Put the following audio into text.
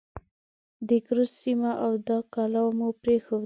د کرز سیمه او دا کلا مو پرېښوده.